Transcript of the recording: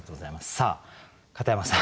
さあ片山さん。